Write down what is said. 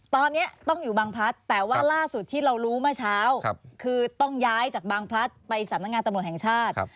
ตอนนี้ต้องอยู่บางพลัดแต่ว่าล่าสุดที่เรารู้เมื่อเช้าคือต้องย้ายจากบางพลัดไปสำนักงานตำรวจแห่งชาติ